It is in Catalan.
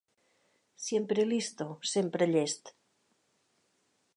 "Siempre listo", "sempre llest".